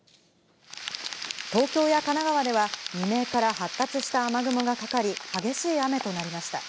東京や神奈川では、未明から発達した雨雲がかかり、激しい雨となりました。